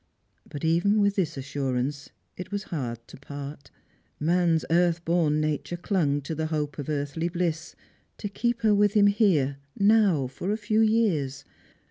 But even with this assurance it was liard to part; man's earth ■ born nature clung to the hope of earthly bliss— to keep her with him here, now for a few years.